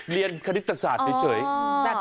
เรียนคณิตศาสตร์เฉยใช่มั้ยคะฮะอ๋อ